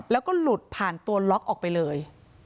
แล้วก็หลุดผ่านตัวล็อกออกไปเลย